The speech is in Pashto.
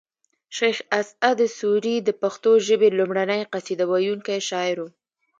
شیخ اسعد سوري د پښتو ژبې لومړنۍ قصیده ویونکی شاعر و